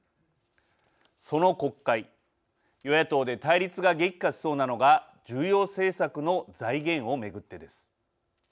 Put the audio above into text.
その国会、与野党で対立が激化しそうなのが重要政策の財源を巡ってです。